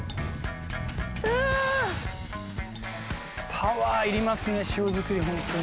パワーいりますね塩作りホントに。